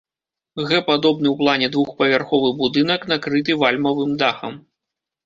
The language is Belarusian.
Г-падобны ў плане двухпавярховы будынак накрыты вальмавым дахам.